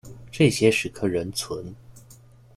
这些石刻仍存。